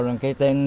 đây là cây trúc gì ạ